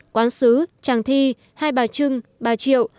quán sứ tràng thi hai bà trưng bà triệu